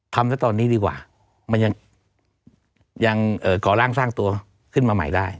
ทำซะตอนนี้ดีกว่ามันยังก่อร่างสร้างตัวขึ้นมาใหม่ได้